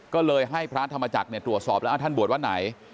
ก็เลยให้พระธรรมจักรตรวจสอบแล้วท่านบวชวัดไหน